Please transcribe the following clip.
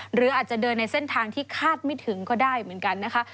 หรืออาจจะเดินในเส้นทางที่คาดไม่ถึงก็ได้เหมือนกันนะคะ